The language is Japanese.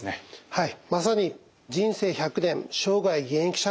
はい。